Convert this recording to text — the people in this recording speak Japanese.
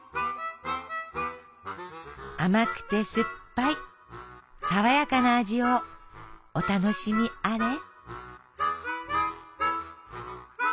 甘くて酸っぱいさわやかな味をお楽しみあれ。